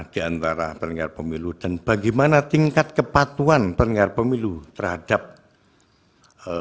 diantara pengadar pemilu dan bagaimana tingkat kepatuan pengadar pemilu terhadap kode etik pengadar pemilu